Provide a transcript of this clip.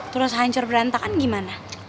terus hancur berantakan gimana